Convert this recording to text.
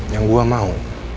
yang gue mau